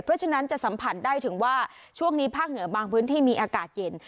เพราะฉะนั้นจะสัมผัสได้ถึงว่าช่วงนี้ภาคเหนือบางพื้นที่มีอากาศเย็น